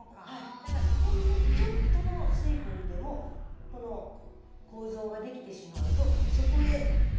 だからほんのちょっとの水分でもこの構造ができてしまうとそこへ。